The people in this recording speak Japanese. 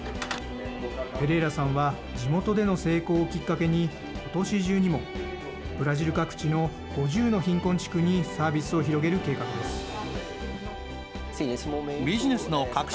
ペレイラさんは地元での成功をきっかけに今年中にもブラジル各地の５０の貧困地区にサービスを広げる計画です。